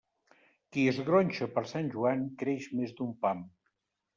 Qui es gronxa per Sant Joan, creix més d'un pam.